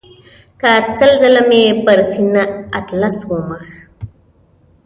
که سل ځله مې پر سینه اطلس ومیښ.